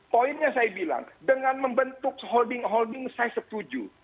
poinnya saya bilang dengan membentuk holding holding saya setuju